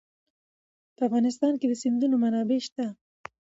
په افغانستان کې د سیندونه منابع شته.